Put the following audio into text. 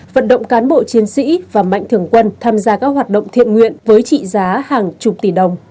vận động cán bộ chiến sĩ và mạnh thường quân tham gia các hoạt động thiện nguyện với trị giá hàng chục tỷ đồng